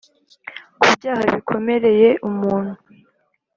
Ku byaha bikomereye umuntu